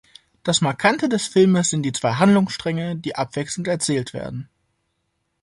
Das Markante des Filmes sind die zwei Handlungsstränge, die abwechselnd erzählt werden.